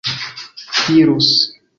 dirus